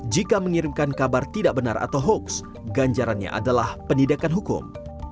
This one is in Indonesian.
jika mengirimkan kabar tidak benar atau hoax ganjarannya adalah penindakan hukum